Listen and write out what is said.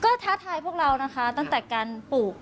ก็ท้าทายพวกเรานะคะตั้งแต่การปลูก